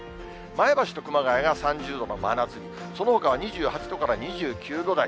前橋と熊谷が３０度の真夏日、そのほかは２８度から２９度台。